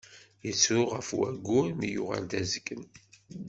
Yettru ɣef wayyur mi yuɣal d azgen.